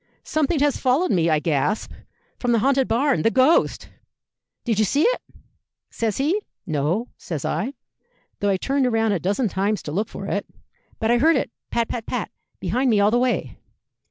'Something has followed me,' I gasped, 'from the haunted barn the ghost!' 'Did you see it?' says he. 'No,' says I, 'though I turned round a dozen times to look for it. But I heard it pat, pat, pat, behind me all the way.'